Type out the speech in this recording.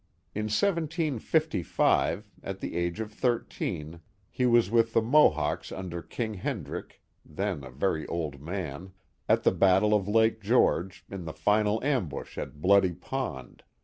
In 1755, at the age of thirteen, he was with the Mohawks under King Hendrick (then a very old man) at the battle of Lake George, in the fatal ambush at Bloody Pond.